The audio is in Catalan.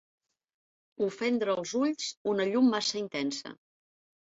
Ofendre els ulls una llum massa intensa.